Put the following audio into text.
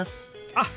あっ！